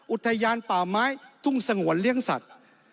อุทยานป่าไม้ทุ่งสงวนเลี้ยงสัตว์